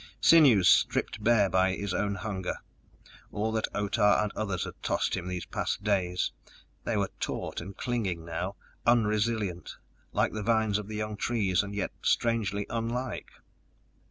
Sinews stripped bare by his own hunger, all that Otah and others had tossed him these past days; they were taut and clinging now, unresilient, like the vines of the young trees and yet strangely unlike.